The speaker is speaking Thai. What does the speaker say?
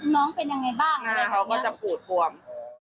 น้องเป็นยังไงบ้างอะไรเขาก็จะปูดบวม